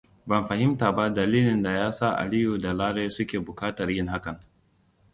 Ban fahimta ba dalilin da ya sa Aliyu da Lare suke buƙatar yin hakan.